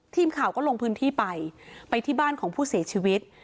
ทีมข่าวก็ลงพื้นที่ไปไปที่บ้านของผู้เสียชีวิต